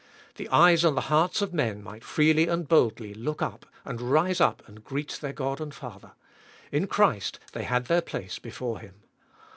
The eyes and the hearts of men might freely and boldly look up and rise up and greet their God and Father ; in Christ they had their place before Him.